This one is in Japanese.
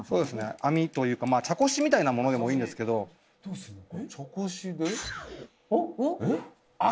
網というか茶こしみたいなものでもいいんですけど茶こしでえっ？